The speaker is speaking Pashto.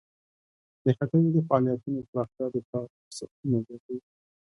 د هټیو د فعالیتونو پراختیا د کار فرصتونه زیاتوي.